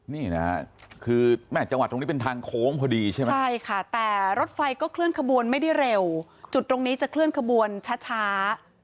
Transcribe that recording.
นี่นะฮะคือแม่จังหวัดตรงนี้เป็นทางโค้งพอดีใช่ไหมใช่ค่ะแต่รถไฟก็เคลื่อนขบวนไม่ได้เร็วจุดตรงนี้จะเคลื่อนขบวนช้า